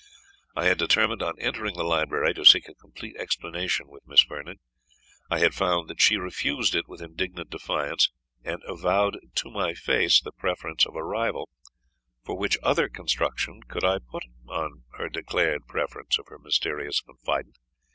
I had determined on entering the library, to seek a complete explanation with Miss Vernon. I had found that she refused it with indignant defiance, and avowed to my face the preference of a rival; for what other construction could I put on her declared preference of her mysterious confidant?